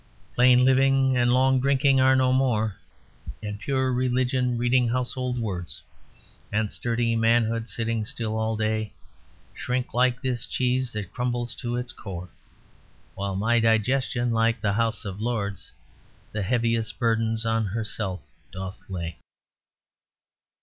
Plain living and long drinking are no more, And pure religion reading 'Household Words', And sturdy manhood sitting still all day Shrink, like this cheese that crumbles to its core; While my digestion, like the House of Lords, The heaviest burdens on herself doth lay.